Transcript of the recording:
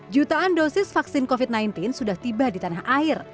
jutaan dosis vaksin covid sembilan belas sudah tiba di tanah air